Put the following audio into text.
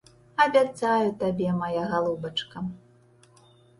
Абяцаю табе, мая галубачка.